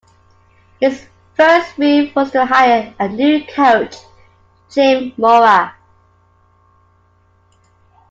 His first move was to hire a new coach, Jim Mora.